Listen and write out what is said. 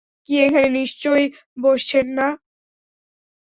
কি, এখানে নিশ্চয় বসছেন না।